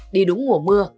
đi đúng ngủ mưa